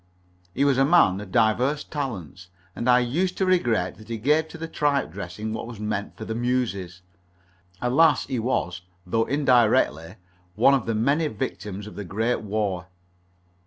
He was a man of diverse talents, and I used to regret that he gave to the tripe dressing what was meant for the muses. Alas, he was, though indirectly, one of the many victims of the Great War.